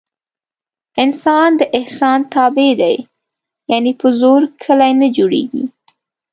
انسان د احسان تابع دی. یعنې په زور کلي نه جوړېږي.